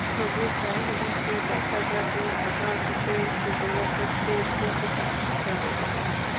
ছবির কাহিনিতে দেখা যাবে, আমার মধ্যে কোনো রকম প্রেম-প্রীতি কাজ করে না।